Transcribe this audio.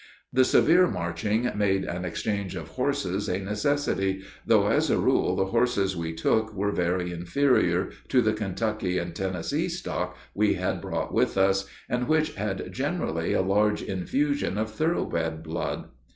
The severe marching made an exchange of horses a necessity, though as a rule the horses we took were very inferior to the Kentucky and Tennessee stock we had brought with us, and which had generally a large infusion of thoroughbred blood.